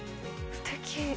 すてき。